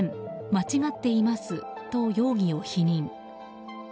間違っていますと容疑を否認。